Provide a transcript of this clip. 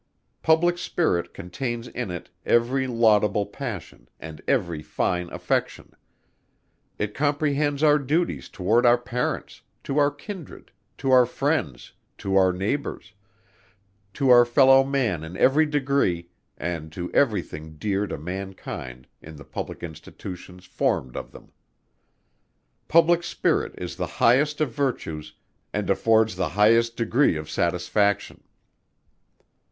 Public spirit contains in it every laudable passion, and every fine affection. It comprehends our duties towards our parents, to our kindred, to our friends, to our neighbours, to our fellow man in every degree, and to every thing dear to mankind in the public Institutions formed of them. Public spirit is the highest of virtues, and affords the highest degree of satisfaction.